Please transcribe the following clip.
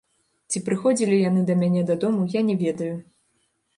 Ці прыходзілі яны да мяне дадому, я не ведаю.